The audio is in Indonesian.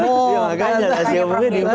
ya makanya rahasia umum ini